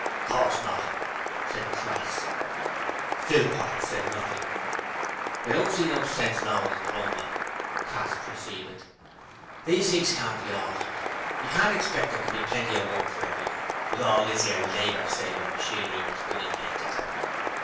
'Of course not,' said Crass. Philpot said nothing. 'I don't see no sense in always grumblin',' Crass proceeded. 'These things can't be altered. You can't expect there can be plenty of work for everyone with all this 'ere labour savin' machinery what's been invented.'